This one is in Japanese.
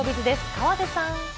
河出さん。